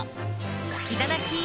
いただき！